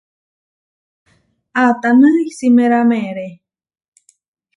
¿Atána isímera meeré?